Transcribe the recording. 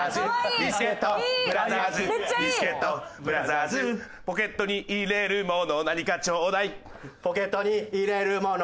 「ビスケットブラザーズ」「ビスケットブラザーズ」「ポケットに入れるもの何かちょうだい」「ポケットに入れるもの